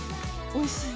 おいしい！